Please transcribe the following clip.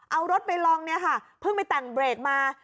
เอารถไปลองเนี่ยค่ะเพิ่งไปแต่งเบรกมา